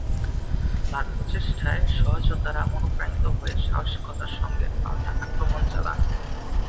তার প্রচেষ্টায় সহযোদ্ধারা অনুপ্রাণিত হয়ে সাহসিকতার সঙ্গে পাল্টা আক্রমণ চালান।